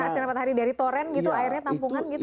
kena sinar matahari dari toren gitu airnya tampungan